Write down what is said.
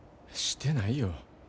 してないよ。